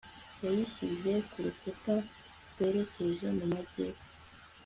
Yayishyize ku rukuta rwerekeje mu majyepfo